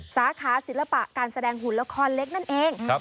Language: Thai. สาขาศิลปะการแสดงหุ่นละครเล็กนั่นเอง